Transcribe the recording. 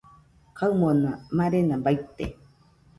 Kaɨmona marena baite